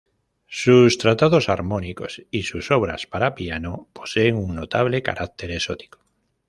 Sus tratados armónicos y sus obras para piano poseen un notable carácter exótico.